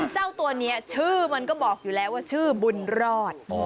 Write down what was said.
เจ้าตัวนี้ชื่อมันก็บอกอยู่แล้วว่าชื่อบุญรอด